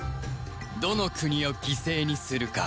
どの国を犠牲にするか？